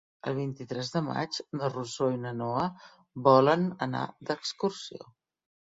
El vint-i-tres de maig na Rosó i na Noa volen anar d'excursió.